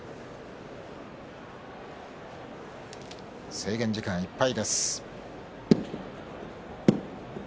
制限時間いっぱいです。